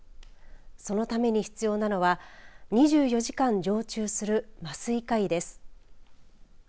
そのために必要なのは２４時間常駐する麻酔科医です。